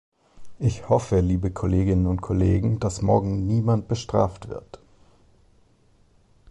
Ich hoffe, liebe Kolleginnen und Kollegen, dass morgen niemand bestraft wird.